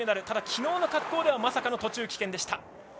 ただ、昨日の滑降ではまさかの途中棄権でした。